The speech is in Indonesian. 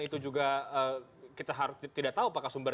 itu juga kita tidak tahu apakah sumber